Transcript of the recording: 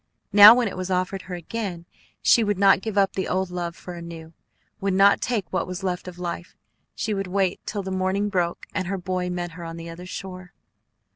Now, when it was offered her again, she would not give up the old love for a new, would not take what was left of life. She would wait till the morning broke and her boy met her on the other shore.